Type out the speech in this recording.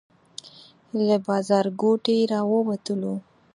له بازارګوټي راووتلو.